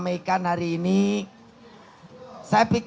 eh belum dapet